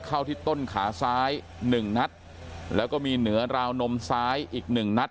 เข้าที่ต้นขาซ้ายหนึ่งนัดแล้วก็มีเหนือราวนมซ้ายอีกหนึ่งนัด